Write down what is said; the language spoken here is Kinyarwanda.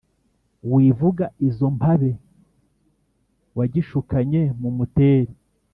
wivuga izo mu mpabe wagishukanye mu muteri,